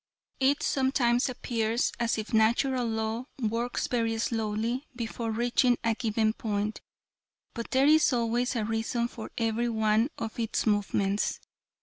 "It sometimes appears as if Natural Law works very slowly before reaching a given point, but there is always a reason for every one of its movements.